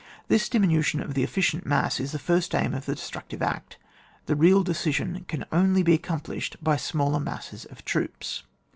This diminution of the efficient mass is the first aim of the destructive act; the real decision can only be ac complished by smaller masses of troops.